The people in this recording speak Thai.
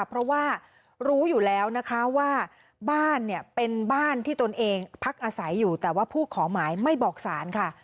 เพราะว่ารู้อยู่แล้วนะคะว่าบ้านเนี่ยเป็นบ้านที่ตนเองพักอาศัยอยู่แต่ว่าผู้ขอหมายไม่บอกสารค่ะ